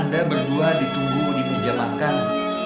anda berdua ditunggu di meja makan